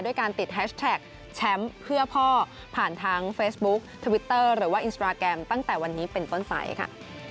การติดแฮชแท็กแชมป์เพื่อพ่อผ่านทางเฟซบุ๊คทวิตเตอร์หรือว่าอินสตราแกรมตั้งแต่วันนี้เป็นต้นไปค่ะ